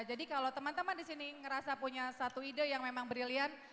jadi kalau teman teman di sini ngerasa punya satu ide yang memang brilliant